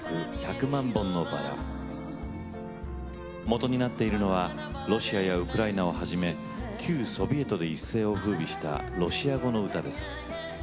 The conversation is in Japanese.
もとになっているのはロシアやウクライナをはじめ旧ソビエトで一世をふうびしたロシア語の歌です。